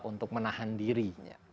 untuk menahan dirinya